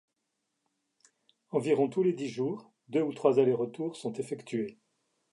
Environ tous les dix jours, deux ou trois allers-retours sont effectués.